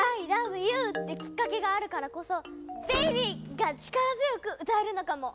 ＹＯＵ！」ってきっかけがあるからこそ「ＢＡＢＹ！」が力強く歌えるのかも。